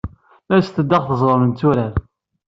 Aset-d ad aɣ-teẓrem netturar.